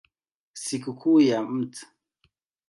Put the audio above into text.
Sikukuu ya Mt.